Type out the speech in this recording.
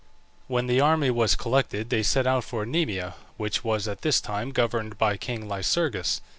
When the army was collected they set out for Nemea, which was at this time governed by king Lycurgus.